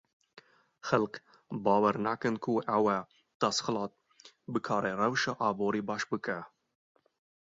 Xelk bawer nakin ku ew ê desthilat bikare rewşa aborî baş bike.